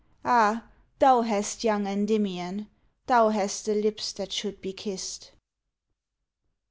Ah! thou hast young Endymion Thou hast the lips that should be kissed!